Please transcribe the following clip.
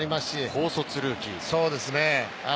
高卒ルーキーです。